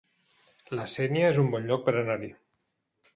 La Sénia es un bon lloc per anar-hi